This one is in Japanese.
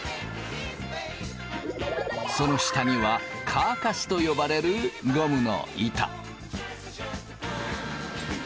その下にはカーカスと呼ばれるゴムの板。